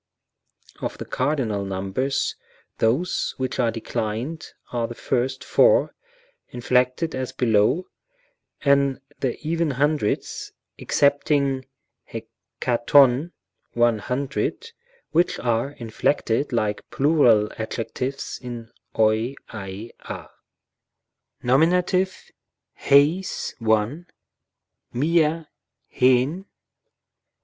Of the cardinal numbers those which are declined are the first four, inflected as below, and the even hundreds (excepting éxardv, one hundred), which are inflected like plural adjectives in οι, αι, a. Masc. "Ὁ Fem. Neut. Masc., Fem.